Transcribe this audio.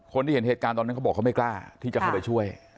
เห็นเหตุการณ์ตอนนั้นเขาบอกเขาไม่กล้าที่จะเข้าไปช่วย